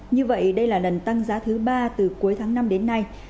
như vậy đây là lần tăng giá thứ ba từ cuối tháng năm đến nay